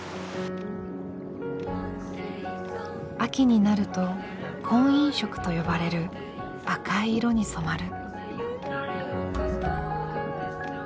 秋になると婚姻色と呼ばれる赤い色に染まる。